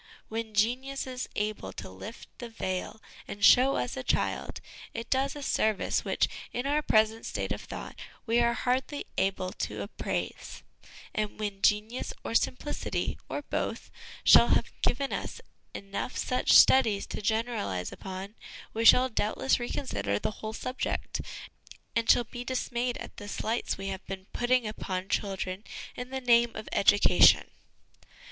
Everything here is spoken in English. When genius is able to lift the veil and show us a child, it does a service which, in our present state of thought, we are hardly able to appraise ; and when genius or simplicity, or both, shall have given us enough such studies to generalise upon, we shall doubtless reconsider the whole subject, and shall be dis mayed at the slights we have been putting upon child ren in the name of education.